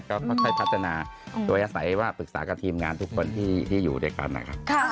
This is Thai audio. ก็ค่อยพัฒนาโดยอาศัยว่าปรึกษากับทีมงานทุกคนที่อยู่ด้วยกันนะครับ